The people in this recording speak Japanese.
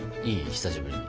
久しぶりに。